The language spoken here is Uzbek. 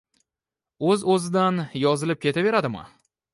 O’z-o’zidan yozilib ketaveradimi?